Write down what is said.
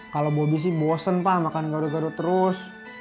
kalau bobby sih bosen emak makan gado gado terus